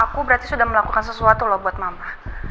aku berarti sudah melakukan sesuatu loh buat mama